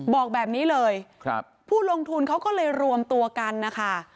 บอกแบบนี้เลยผู้ลงทุนเขาก็เลยรวมตัวกันนะคะ